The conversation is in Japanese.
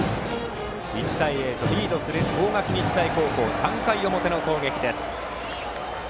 １対０とリードする大垣日大高校３回の表の攻撃です。